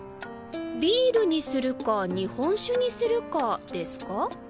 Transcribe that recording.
ビールにするか日本酒にするかですか？